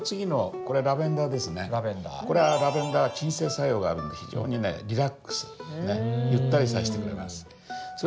これはラベンダー鎮静作用があるんで非常にねリラックスゆったりさせてくれます。